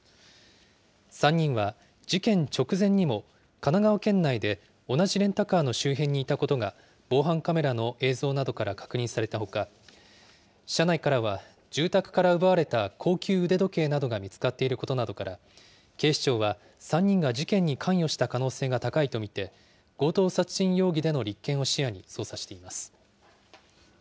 ３人は事件直前にも、神奈川県内で同じレンタカーの周辺にいたことが、防犯カメラの映像などから確認されたほか、車内からは住宅から奪われた高級腕時計などが見つかっていることなどから、警視庁は３人が事件に関与した可能性が高いと見て、強盗殺人容疑での立件を視野に捜査しています。